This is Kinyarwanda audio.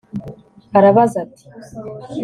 arabaza ati